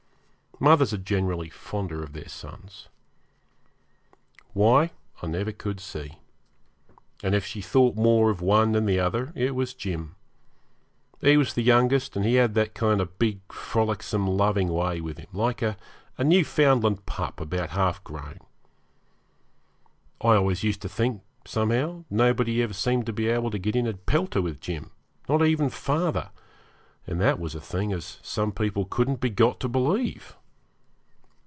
Mothers are generally fonder of their sons. Why I never could see; and if she thought more of one than the other it was Jim. He was the youngest, and he had that kind of big, frolicsome, loving way with him, like a Newfoundland pup about half grown. I always used to think, somehow, nobody ever seemed to be able to get into a pelter with Jim, not even father, and that was a thing as some people couldn't be got to believe.